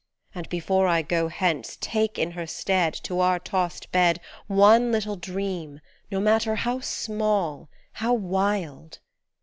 And before I go hence Take in her stead To our tossed bed, One little dream, no matter how small, how wild.